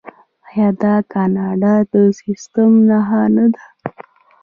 آیا دا د کاناډا د سیستم نښه نه ده؟